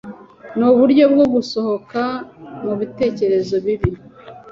Nuburyo bwo gusohoka mubitekerezo bibi